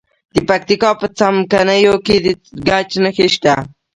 د پکتیا په څمکنیو کې د ګچ نښې شته.